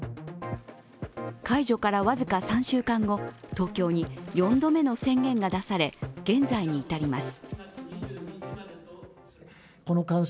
解除から僅か３週間後、東京に４度目の宣言が出され現在に至ります。